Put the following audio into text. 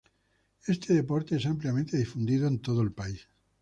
Este deporte es ampliamente difundido en todo el país.